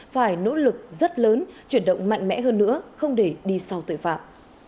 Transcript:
phải nỗ lực rất lớn chuyển động mạnh mẽ hơn nữa không để đi sau tội phạm